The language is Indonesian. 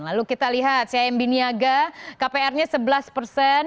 lalu kita lihat cimb niaga kprnya sebelas persen